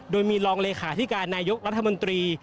โดยมีรองเลขาธิการนายกรัฐมนตรี